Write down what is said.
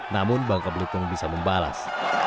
namun bangka belitung bisa membalas